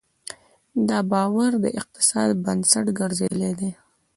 دا باور د اقتصاد بنسټ ګرځېدلی دی.